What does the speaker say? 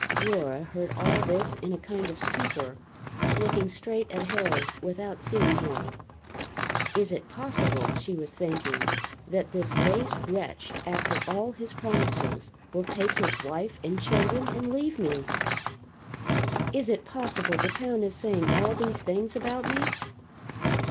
Laura heard all this in a kind of stupor, looking straight at Harry, without seeing him. Is it possible, she was thinking, that this base wretch, after all his promises, will take his wife and children and leave me? Is it possible the town is saying all these things about me?